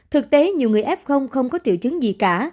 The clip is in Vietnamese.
thực tế nhiều người f không có triệu chứng gì cả